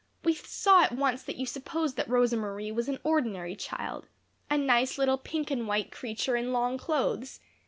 We saw at once that you supposed that Rosa Marie was an ordinary child a nice little pink and white creature in long clothes.